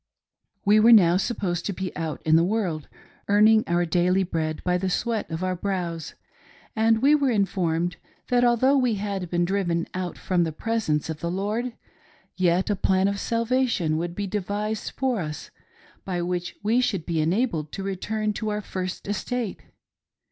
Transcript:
We were now supposed to be out in the world, earning our daily bread by the sweat of our brows, and we were informed that although we had been driven out from the presence of the Lord, yet a plan of salvation would be devised for us, by which we should be enabled to return to our first estate.